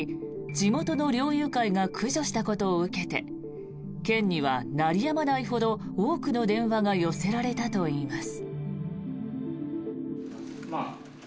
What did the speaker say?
地元の猟友会が駆除したことを受けて県には鳴りやまないほど多くの電話が寄せられたといいます。